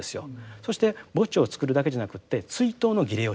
そして墓地を作るだけじゃなくって追悼の儀礼をします。